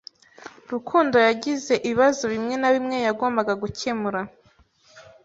Rukundo yagize ibibazo bimwe na bimwe yagombaga gukemura.